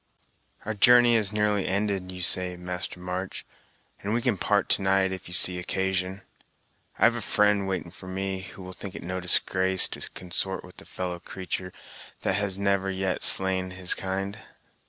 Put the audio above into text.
"Our journey is nearly ended, you say, Master March, and we can part to night, if you see occasion. I have a fri'nd waiting for me, who will think it no disgrace to consort with a fellow creatur' that has never yet slain his kind."